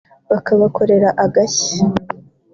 bakabakorera agashya